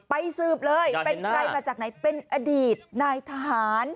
สืบเลยเป็นใครมาจากไหนเป็นอดีตนายทหาร